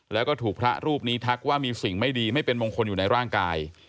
แล้วก็ถูกพระรูปนี้ทักว่ามีสิ่งไม่ดีไม่เป็นมงคลอยู่ในร่างกาย